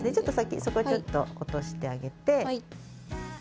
そこちょっと落としてあげて。